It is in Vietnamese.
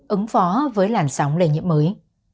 ứng phó với làn sóng lây nhiễm mới